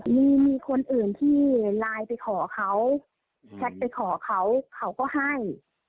มีมีคนอื่นที่ไลน์ไปขอเขาแชทไปขอเขาเขาก็ให้